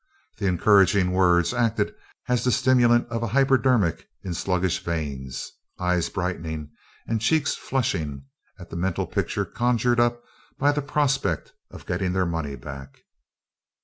The encouraging words acted as the stimulant of a hypodermic in sluggish veins, eyes brightening and cheeks flushing at the mental pictures conjured up by the prospect of getting their money back.